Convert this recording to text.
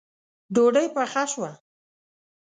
ډوډۍ پخه شوه